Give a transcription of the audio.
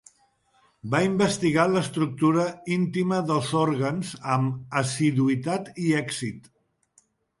Va investigar l'estructura íntima dels òrgans amb assiduïtat i èxit.